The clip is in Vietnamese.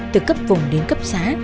từ cấp vùng đến cấp xá